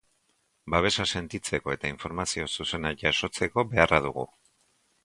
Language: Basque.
Babesa sentitzeko eta informazio zuzena jasotzeko beharra dugu.